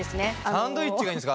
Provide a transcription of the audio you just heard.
サンドイッチがいいんですか？